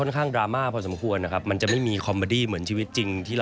ผมต้องห้ามด้วยว่าไม่ได้นะอย่าคิดเกินเพื่อนจริง